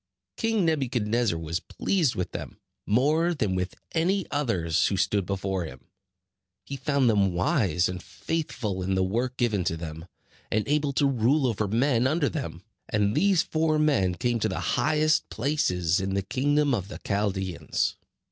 King Nebuchadnezzar was pleased with them, more than with any others who stood before him. He found them wise and faithful in the work given to them, and able to rule over men under them. And these four men came to the highest places in the kingdom of the Chaldeans.